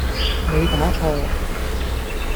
你打錯